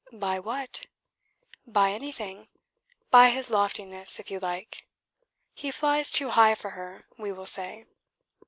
"By what?" "By anything; by his loftiness, if you like. He flies too high for her, we will say."